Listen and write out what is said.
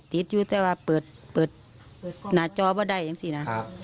ติดอยู่แต่ว่าเปิดหน้าจอว่าได้เองสินะ